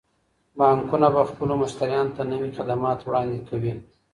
بانکونه به خپلو مشتريانو ته نوي خدمات وړاندي کوي.